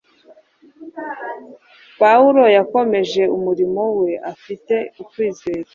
Pawulo yakomeje umurimo we afite ukwizera,